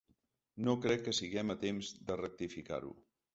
No crec que siguem a temps de rectificar-ho.